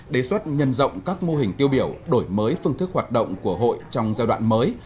đề xuất nhân rộng các mô hình tiêu biểu đổi mới phương thức hoạt động của hội trong giai đoạn mới